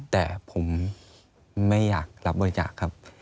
แต่ผมไม่อยากรับบริจาคครับ